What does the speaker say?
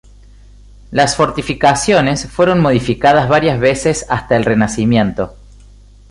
Las fortificaciones fueron modificadas varias veces hasta el Renacimiento.